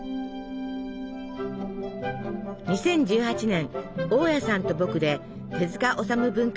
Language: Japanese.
２０１８年「大家さんと僕」で手塚治虫文化賞を受賞。